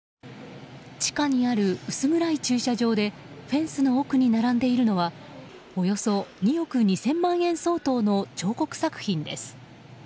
地下にある薄暗い駐車場でフェンスの奥に並んでいるのはおよそ２億２０００万円相当の彫刻作品です。